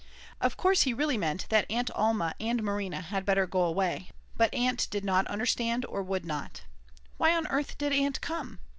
Of course he really meant that Aunt Alma and Marina had better go away, but Aunt did not understand or would not. Why on earth did Aunt come?